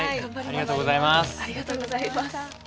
ありがとうございます。